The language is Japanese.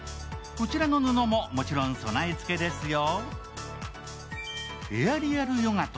こちらの布も、もちろん備え付けですよ。